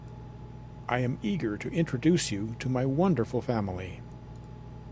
I am eager to introduce you to my wonderful family.